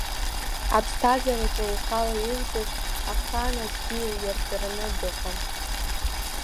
Аԥсҭазаараҿы ухала иуҵаз, Ахаан аӡәгьы иуирҵараны дыҟам.